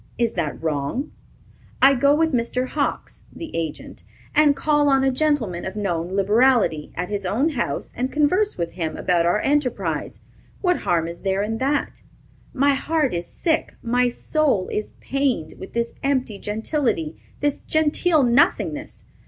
Is that wrong? I go with Mr. Hawks [the agent], and call on a gentleman of known liberality, at his own house, and converse with him about our enterprise. What harm is there in that? My heart is sick, my soul is pained, with this empty gentility, this genteel nothingness.